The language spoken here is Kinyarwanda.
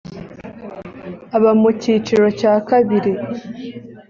aba mu cyiciro cya kabiri